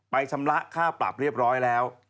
ชำระค่าปรับเรียบร้อยแล้ว